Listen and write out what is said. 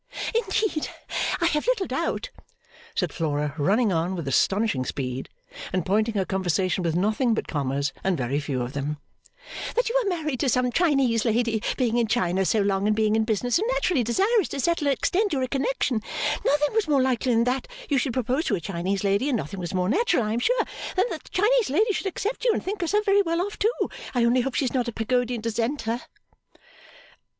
'Indeed I have little doubt,' said Flora, running on with astonishing speed, and pointing her conversation with nothing but commas, and very few of them, 'that you are married to some Chinese lady, being in China so long and being in business and naturally desirous to settle and extend your connection nothing was more likely than that you should propose to a Chinese lady and nothing was more natural I am sure than that the Chinese lady should accept you and think herself very well off too, I only hope she's not a Pagodian dissenter.